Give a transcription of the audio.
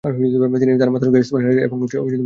তিনি তার মাতার সঙ্গে স্পেনের রাজা হন এবং দেশ শাসন করেন।